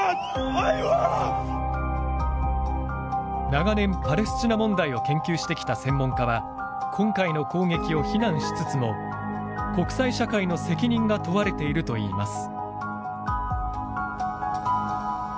長年パレスチナ問題を研究してきた専門家は今回の攻撃を非難しつつも国際社会の責任が問われているといいます。